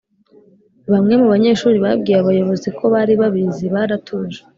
Bamwe mu banyeshuri babwiye abayoboziko baribabizi baratuje